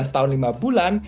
delapan belas tahun lima bulan